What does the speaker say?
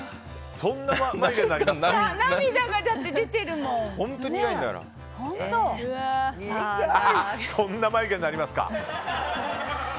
そんな眉毛になりますか？